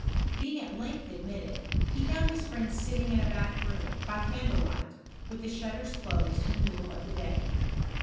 Being at length admitted, he found his friend sitting in a baclc room, by candle light, with the shutters closed in the middle of the day.